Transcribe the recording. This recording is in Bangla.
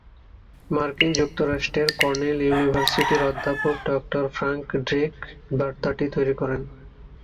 মার্কিন যুক্তরাষ্ট্রের কর্নেল ইউনিভার্সিটির অধ্যাপক ডক্টর ফ্র্যাংক ড্রেক বার্তাটি তৈরি করেন।